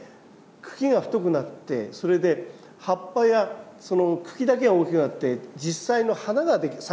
茎が太くなってそれで葉っぱやその茎だけが大きくなって実際の花が咲きますよね。